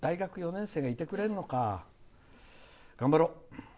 ４年生がいてくれるのか頑張ろう。